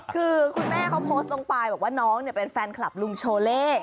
คือคุณแม่เขาโพสต์ลงไปบอกว่าน้องเป็นแฟนคลับลุงโชเล่